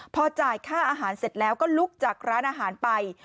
พอจ่ายค่าอาหารเสร็จแล้วก็ลุกจากร้านอาหารไป